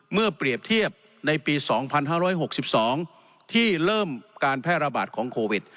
เมื่อเปรียบเทียบในปีสองพันห้าร้อยหกสิบสองที่เริ่มการแพร่ระบาดของโควิด